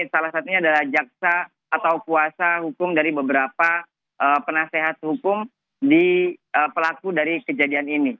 salah satunya adalah jaksa atau kuasa hukum dari beberapa penasehat hukum di pelaku dari kejadian ini